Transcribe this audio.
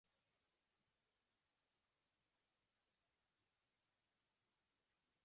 Andrews was a dedicated Christian and family person.